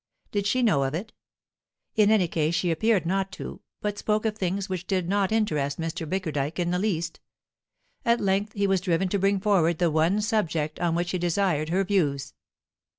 Did she know of it? In any case she appeared not to, but spoke of things which did not interest Mr. Bickerdike in the least. At length he was driven to bring forward the one subject on which he desired her views.